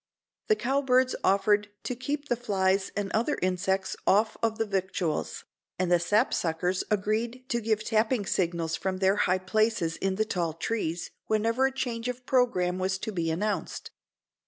The cowbirds offered to keep the flies and other insects off of the victuals, and the sapsuckers agreed to give tapping signals from their high places in the tall trees whenever a change of program was to be announced.